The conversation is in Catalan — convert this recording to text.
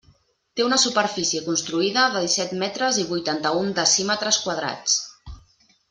Té una superfície construïda de disset metres i vuitanta-un decímetres quadrats.